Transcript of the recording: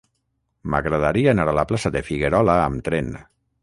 M'agradaria anar a la plaça de Figuerola amb tren.